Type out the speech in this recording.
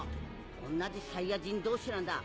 おんなじサイヤ人同士なんだ。